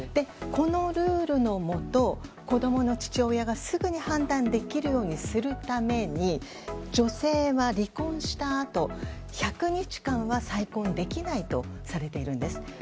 このルールのもと子供の父親がすぐに判断できるようにするために女性は離婚したあと１００日間は再婚できないとされているんです。